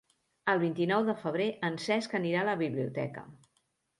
El vint-i-nou de febrer en Cesc anirà a la biblioteca.